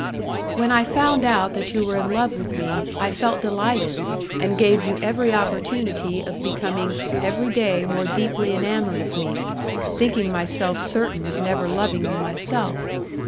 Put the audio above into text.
"When I found out that you were in love with me, I felt delighted, and gave you every opportunity of becoming every day more deeply enamoured of me, thinking myself certain of never loving you myself.